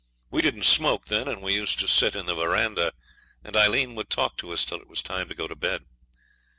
We didn't smoke then, and we used to sit in the verandah, and Aileen would talk to us till it was time to go to bed.